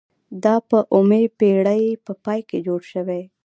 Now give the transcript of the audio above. دا په اوومې پیړۍ په پای کې جوړ شوي.